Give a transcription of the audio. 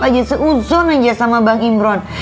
aja seuzon aja sama bang imron